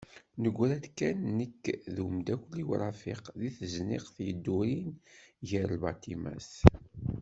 Neggra-d kan nekk d umdakel-iw Rafiq deg tezniqt yeddurin gar lbaṭimat.